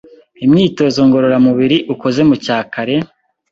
Imyitozo ngororamubiri ukoze mucyakare